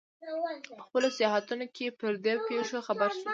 په خپلو سیاحتونو کې پر دې پېښو خبر شو.